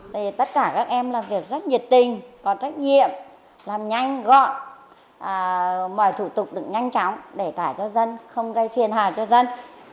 thì tất cả các em làm việc rất nhiệt tình có trách nhiệm làm nhanh gọn mọi thủ tục được nhanh chóng để cả cho dân không gây phiền hà cho dân